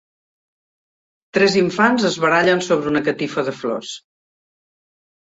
Tres infants es barallen sobre una catifa de flors.